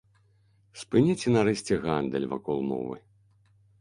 Спыніце нарэшце гандаль вакол мовы.